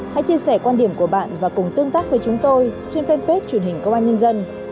hãy chia sẻ quan điểm của bạn và cùng tương tác với chúng tôi trên fanpage truyền hình công an nhân dân